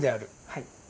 はい。